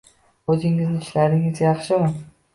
O'zingizning ishlaringiz yaxshimi?